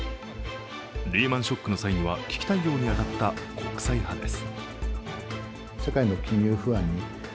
リーマン・ショックの際には危機対応に当たった国際派です。